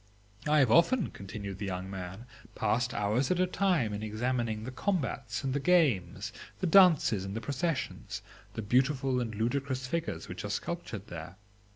I have often, continued the young man, 'passed hours at a time in examining the combats and the games, the dances and the processions, the beautiful and ludicrous figures which are sculptured there.